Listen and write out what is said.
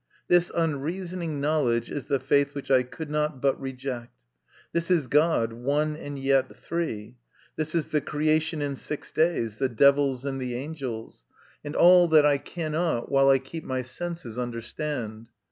This unreasoning knowledge is the faith which I could not but reject. This is God, one and yet three ; this is the creation in six days, the devils and the angels ; and all that 82 MY CONFESSION. I cannot, while I keep my senses, understand.